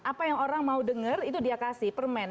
apa yang orang mau dengar itu dia kasih permen